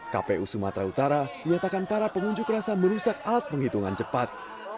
kpu sumatera utara menyatakan para pengunjuk rasa merusak alat penghitungan cepat